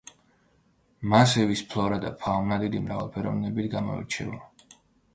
მასივის ფლორა და ფაუნა დიდი მრავალფეროვნებით გამოირჩევა.